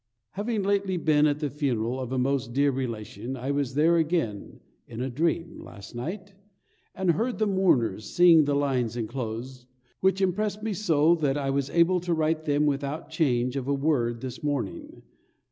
Having lately been at the funeral of a most dear relation I was there again (in a dream) last night, and heard the mourners sing the lines enclosed, which impressed me so that I was able to write them without change of a word this morning.